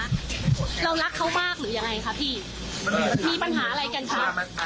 เรารักเขามากหรือยังไงคะพี่มีปัญหาอะไรกันคะ